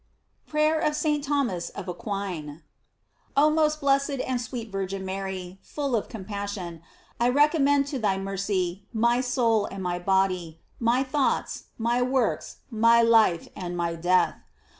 PRAYER OF ST. THOMAS OF AQUIN. OH most blessed and sweet Virgin Mary, full of compassion, I recommend to thy mercy my soul and my body, my thoughts, my works, my life, and my death.